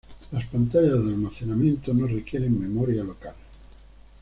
Las pantallas de almacenamiento no requieren memoria local.